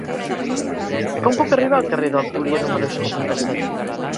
Com puc arribar al carrer del Túria número seixanta-set?